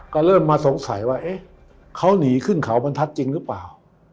ก็เริ่มมาสงสัยว่าเอ๊ะเขาหนีขึ้นเขาบรรทัศน์จริงหรือเปล่า